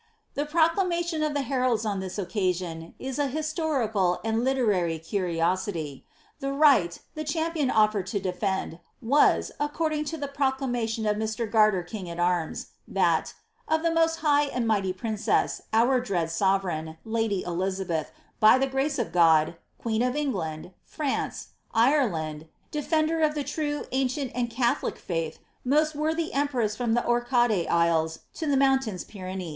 The proclamation of the heralds on this occasion is an historical and literary curiossity. The right, the champion oflered to defend, was, ac cording to the proclamation of Mr. Garter King al arms, that *• of the most hitrh and mighty princess, our dread sovereijrn, ludy Elizabeth, by ihe grace of God, queen of England, France, Ireland, DcfcmUr of the lnti\ ancient^ and catholic faith^ most worthy empress from the Orcade l*l*s to the Mountains Pyrtnec.